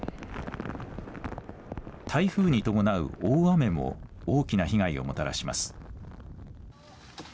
台風に伴う大雨も大きな被害をもたらします。